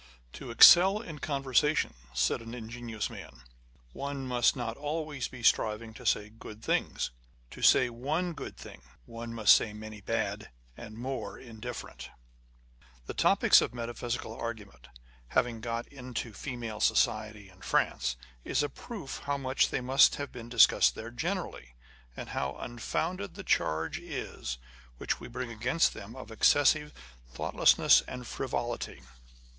" To excel in conversation," said an ingenious man, " one must not be always striving to say good things : to s?ay one good thing, one must say many bad, and more indifferent 1 The topics of metaphysical argument having got into female society in France, is a proof how much they must have been discussed there generally, and how unfounded the charge is which we bring against them of excessive thoughtlessness and frivolity.